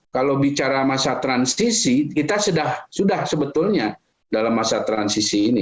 kalau bicara masa transisi kita sudah sebetulnya dalam masa transisi ini